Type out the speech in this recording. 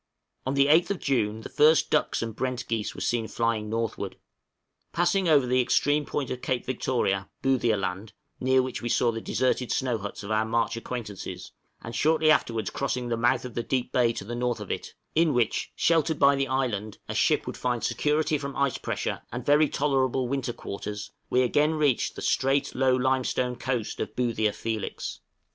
{BOOTHIA FELIX.} On the 8th June the first ducks and brent geese were seen flying northward. Passing over the extreme point of Cape Victoria, Boothia Land, near which we saw the deserted snow huts of our March acquaintances, and shortly afterwards crossing the mouth of the deep bay to the north of it, in which, sheltered by the island, a ship would find security from ice pressure, and very tolerable winter quarters, we again reached the straight low limestone coast of Boothia Felix.